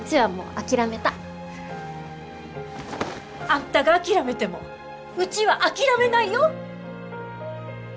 あんたが諦めてもうちは諦めないよ！